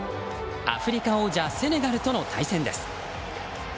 アフリカ王者セネガルとの対戦です。